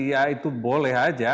ya itu boleh saja